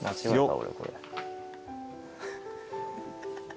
俺これ。